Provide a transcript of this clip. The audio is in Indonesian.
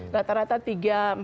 rata rata tiga empat